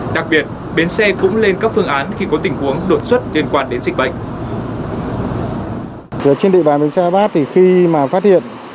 đặc biệt bến xe cũng lên các phương án khi có tình huống đột xuất liên quan đến dịch bệnh